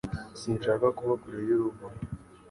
Sinshaka kuba kure y'urugo